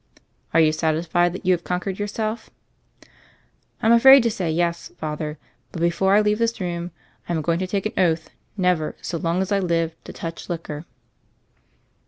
"Are you satisfied that you have conquered yourself?" "I'm afraid to say *yes,' Father; but before I leave this room, I'm going to take an oath never, so long as I live, to touch liquor."